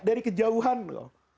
dari kejauhan loh